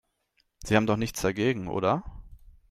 Sie haben doch nichts dagegen, oder?